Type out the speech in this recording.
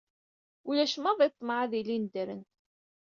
Ulac maḍi ṭṭmeɛ ad ilin ddren.